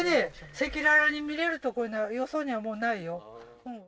赤裸々に見れるとこいうのはよそにはもうないよ